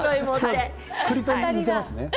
栗と似ていますね。